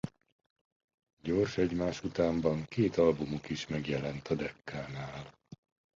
Gyors egymásutánban két albumuk is megjelent a Deccánál.